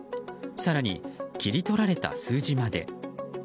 更に切り取られた数字まで。